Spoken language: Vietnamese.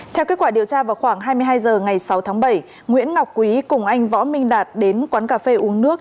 theo kết quả điều tra vào khoảng hai mươi hai h ngày sáu tháng bảy nguyễn ngọc quý cùng anh võ minh đạt đến quán cà phê uống nước